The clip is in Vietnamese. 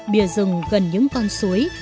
bìa rừng gần những con suối